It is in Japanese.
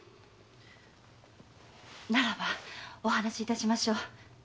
ならばお話しいたしましょう。